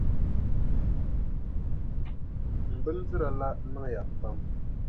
M bindira la niŋya pam.